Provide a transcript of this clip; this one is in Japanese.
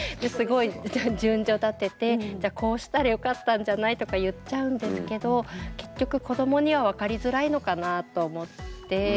すごい順序立てて「じゃこうしたらよかったんじゃない？」とか言っちゃうんですけど結局子どもには分かりづらいのかなと思って。